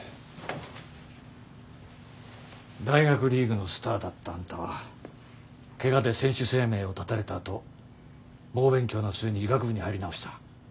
大学リーグのスターだったあんたはケガで選手生命を絶たれたあと猛勉強の末に医学部に入り直した。